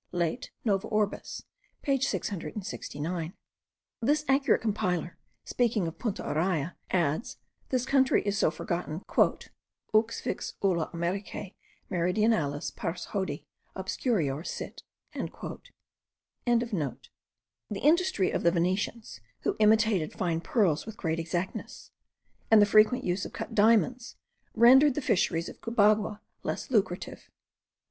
Laet Nova Orbis page 669. This accurate compiler, speaking of Punta Araya, adds, this country is so forgotten, "ut vix ulla Americae meridionalis pars hodie obscurior sit.") The industry of the Venetians, who imitated fine pearls with great exactness, and the frequent use of cut diamonds,* rendered the fisheries of Cubagua less lucrative.